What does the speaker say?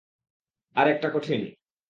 আর এটা কঠিন।